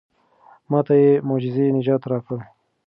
ما ته بې معجزې نجات راکړه.